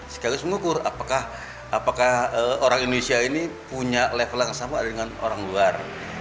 sekaligus mengukur apakah orang indonesia ini punya level yang sama dengan orang luar